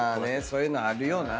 そういうのあるよな。